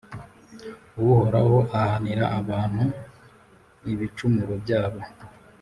Uhoraho ahanira abantu ibicumuro byabo